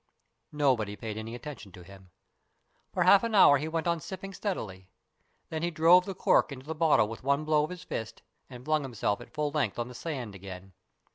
Nobody paid any attention to him. For half an hour he went on sipping steadily, then he drove the cork into the bottle with one blow of his fist, and flung himself at full length on the sand again.